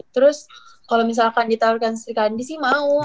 terus kalau misalkan ditaruhkan sri kandi sih mau